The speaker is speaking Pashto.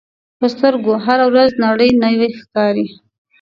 په سترګو هره ورځ نړۍ نوې ښکاري